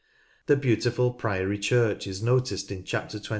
The beautiful priory church is noticed in Chapter 21.